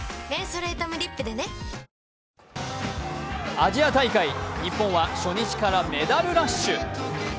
アジア大会、日本は初日からメダルラッシュ。